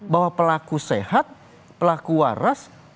bahwa pelaku sehat pelaku waras pelaku tidak diatasi